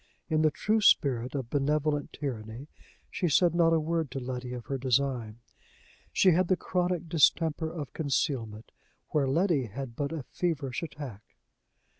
In the true spirit of benevolent tyranny, she said not a word to Letty of her design. She had the chronic distemper of concealment, where Letty had but a feverish attack.